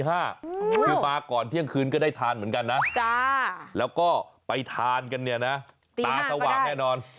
คือมาก่อนเที่ยงคืนก็ได้ทานเหมือนกันนะแล้วก็ไปทานกันเนี่ยนะตาสว่างแน่นอน